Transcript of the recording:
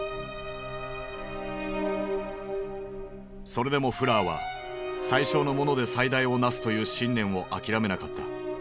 それでもフラーは「最小のもので最大をなす」という信念を諦めなかった。